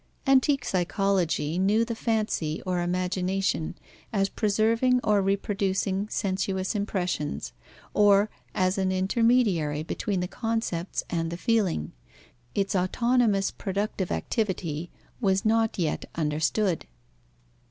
Antique psychology knew the fancy or imagination, as preserving or reproducing sensuous impressions, or as an intermediary between the concepts and feeling: its autonomous productive activity was not yet understood.